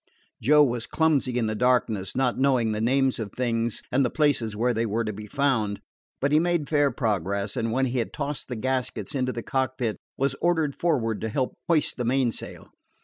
Joe was clumsy in the darkness, not knowing the names of things and the places where they were to be found; but he made fair progress, and when he had tossed the gaskets into the cockpit was ordered forward to help hoist the mainsail.